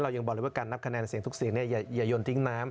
ยังบอกเลยว่าการนับคะแนนเสียงทุกเสียงอย่ายนทิ้งน้ำ